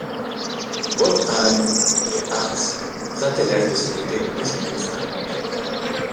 Wolfram & Hart s'intéresse de son côté de plus en plus à Angel.